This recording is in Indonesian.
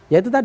ya itu tadi